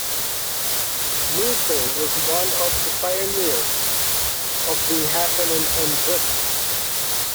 Nuttall was one of the pioneers of the happening in Britain.